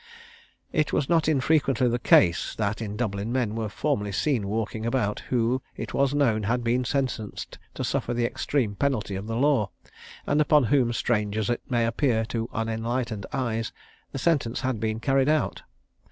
It was not infrequently the case, that, in Dublin, men were formerly seen walking about who, it was known, had been sentenced to suffer the extreme penalty of the law, and upon whom, strange as it may appear to unenlightened eyes, the sentence had been carried out.